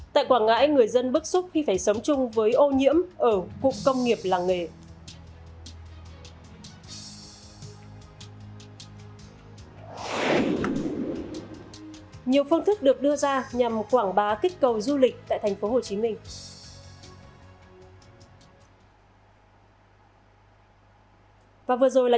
tại quảng ngãi người dân bức xúc khi phải sống chung với ô nhiễm ở cục công nghiệp làng nghề